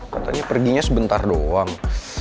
katanya perginya sebentar doang